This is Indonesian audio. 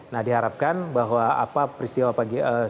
nah diharapkan bahwa apa peristiwa pagi story hari tadi